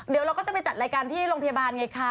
เดี๋ยวเราก็จะไปจัดรายการที่โรงพยาบาลไงคะ